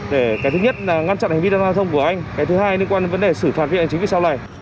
để cái thứ nhất là ngăn chặn hành vi giao thông của anh cái thứ hai liên quan đến vấn đề xử phạt viện chính viên sau này